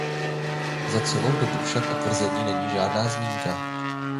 Za celou dobu však o tvrzi není žádná zmínka.